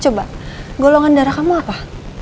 coba golongan darah kamu apa